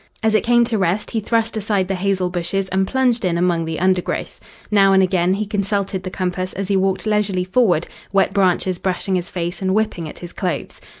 As it came to rest he thrust aside the hazel bushes and plunged in among the undergrowth. Now and again he consulted the compass as he walked leisurely forward, wet branches brushing his face and whipping at his clothes.